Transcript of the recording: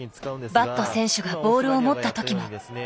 バット選手がボールを持った時も。